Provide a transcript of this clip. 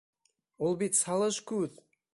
Ул бит салыш күҙ!